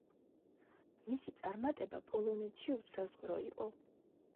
მისი წარმატება პოლონეთში უსაზღვრო იყო.